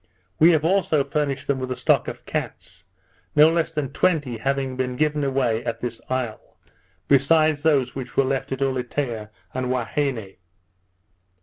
We have also furnished them with a stock of cats; no less than twenty having been given away at this isle, besides those which were left at Ulietea and Huaheine.